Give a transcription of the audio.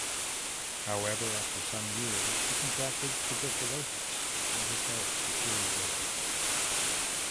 However after some years he contracted tuberculosis and his health deteriorated.